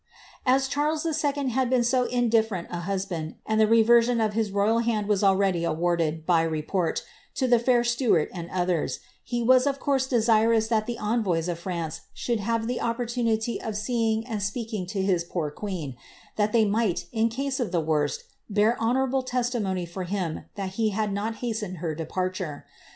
As Charles II. had been so indifferent a husband, and the reversion of his royal hand was already awarded, by report, to the fair Stuart and others, he was of course desirous that the envoys of France should have the opportunity of seeing and speaking to his poor queen, that they might, in case of the worst, bear honourable testimony for him that he had not hastened her departure.